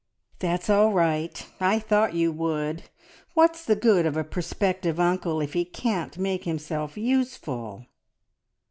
"That's all right; I thought you would. What's the good of a prospective uncle if he can't make himself useful!"